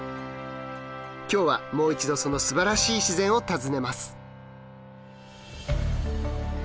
今日はもう一度そのすばらしい自然を訪ねます。